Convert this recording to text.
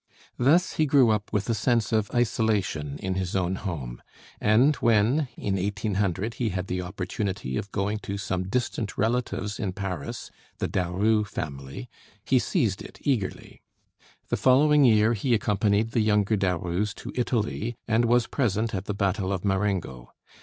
Thus he grew up with a sense of isolation in his own home, and when, in 1800, he had the opportunity of going to some distant relatives in Paris, the Daru family, he seized it eagerly. The following year he accompanied the younger Darus to Italy, and was present at the battle of Marengo.